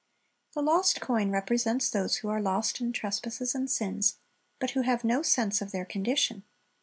The lost coin represents those who are lost in trespasses and sins, but who have no sense of their condition.